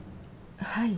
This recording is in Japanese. はい。